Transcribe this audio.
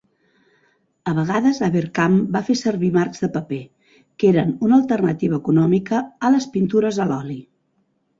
A vegades Avercamp va fer servir marcs de paper, que eren una alternativa econòmica a les pintures a l'oli.